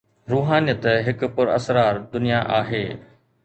روحانيت هڪ پراسرار دنيا آهي.